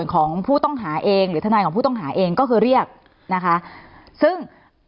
ของผู้ต้องหาเองหรือธนัยของผู้ต้องหาเอง